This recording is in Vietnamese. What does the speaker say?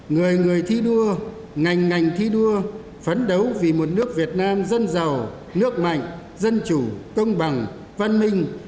người người thi đua ngành ngành ngành thi đua phấn đấu vì một nước việt nam dân giàu nước mạnh dân chủ công bằng văn minh